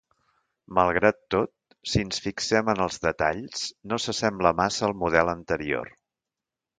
Malgrat tot, si ens fixem en els detalls, no s'assembla massa al model anterior.